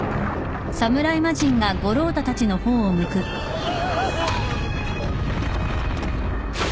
ああ。